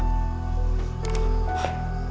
bodoh kalian semua